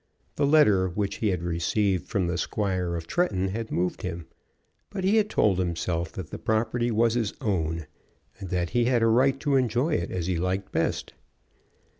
The letter which he had received from the Squire of Tretton had moved him; but he had told himself that the property was his own, and that he had a right to enjoy it as he liked best.